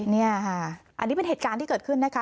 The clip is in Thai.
นี่ค่ะอันนี้เป็นเหตุการณ์ที่เกิดขึ้นนะคะ